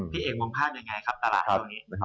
พี่เอกมองภาพยังไงครับตลาดตรงนี้